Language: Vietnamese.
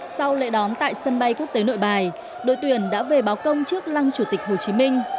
sau lễ đón tại sân bay quốc tế nội bài đội tuyển đã về báo công trước lăng chủ tịch hồ chí minh